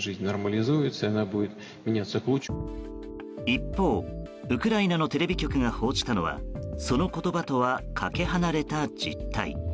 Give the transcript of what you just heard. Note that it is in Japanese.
一方、ウクライナのテレビ局が報じたのはその言葉とは、かけ離れた実態。